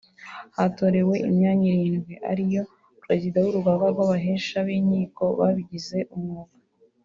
Hatorewe imyanya irindwi ariyo Perezida w’urugaga rw’abahesha b’inkiko babigize umwuga